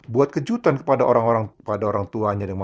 buat kejutan kepada orang orang pada orang tuanya